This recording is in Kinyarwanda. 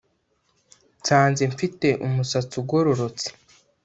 nsanze mfite umusatsi ugororotse